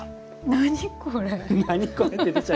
何これ。